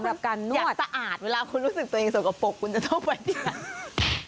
อยากสะอาดเวลาคุณรู้สึกตัวเองสกปรกคุณจะต้องไปที่ไหน